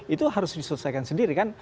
itu harus diselesaikan sendiri kan